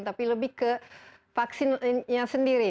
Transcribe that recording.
tapi lebih ke vaksinnya sendiri